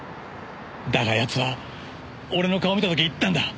だが奴は俺の顔を見た時言ったんだ。